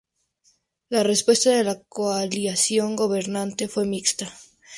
La respuesta de la coalición gobernante fue mixta.